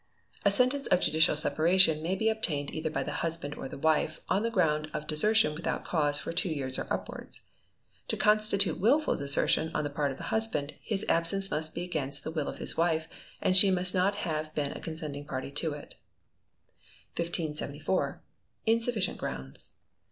A sentence of judicial separation may be obtained either by the husband or the wife, on the ground of desertion without cause for two years or upwards. To constitute wilful desertion on the part of the husband, his absence must be against the will of his wife, and she must not have been a consenting party to it. 1574. Insufficient Grounds.